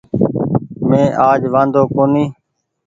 مينٚ آج وآۮو ڪونيٚ